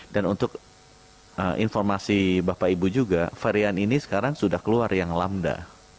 dan untuk informasi bapak ibu juga varian ini sekarang sudah keluar yang lambda